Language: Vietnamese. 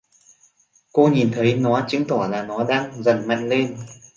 Cô nhìn thấy nó chứng tỏ là nó đang dần mạnh lên